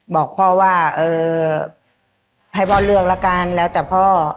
บอกพ่อว่าให้พ่อเลือกแล้วกันแล้วแต่พ่อ